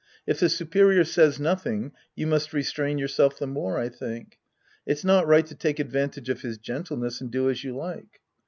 If the superior says nothing, you must restrain yourself the more, I think. It's not right to take advantage of his gentleness and do as you like.